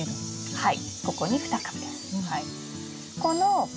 はい。